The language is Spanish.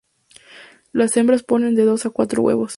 Las hembras ponen de dos a cuatro huevos.